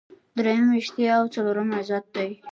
دریم ریښتیا او څلورم عزت دی.